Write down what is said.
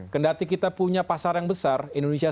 kendati kita punya pasar yang besar indonesia